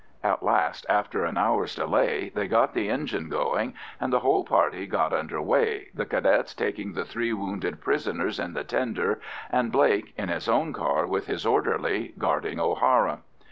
At last, after an hour's delay, they got the engine going, and the whole party got under way, the Cadets taking the three wounded prisoners in the tender, and Blake, in his own car with his orderly, guarding O'Hara.